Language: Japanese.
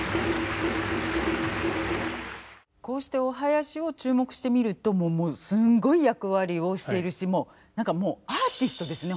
こうしてお囃子を注目してみるともうすごい役割をしているし何かもうアーティストですね